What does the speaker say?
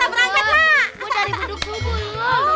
aku mau jadikan duku dulu lu